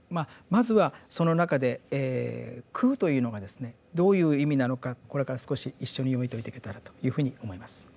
まずはその中で「空」というのがですねどういう意味なのかこれから少し一緒に読み解いていけたらというふうに思います。